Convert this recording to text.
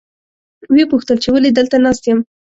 ویې پوښتل چې ولې دلته ناست یم.